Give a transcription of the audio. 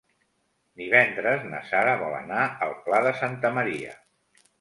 Divendres na Sara vol anar al Pla de Santa Maria.